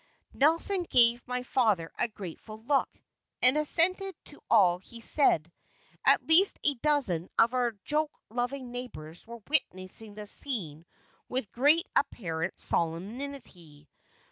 Nelson gave my father a grateful look, and assented to all he said. At least a dozen of our joke loving neighbors were witnessing the scene with great apparent solemnity.